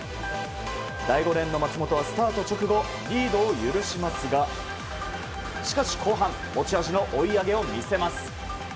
第５レーンの松元はスタート直後リードを許しますがしかし後半持ち味の追い上げを見せます。